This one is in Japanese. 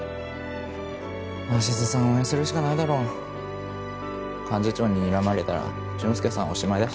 鷲津さん応援するしかないだろ幹事長ににらまれたら俊介さんおしまいだし。